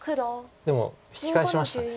でも引き返しました。